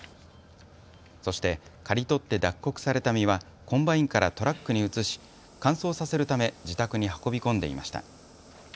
そして刈り取って脱穀された実はコンバインからトラックに移し乾燥させるため自宅に運び込んでいました。